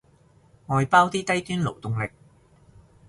外包啲低端勞動力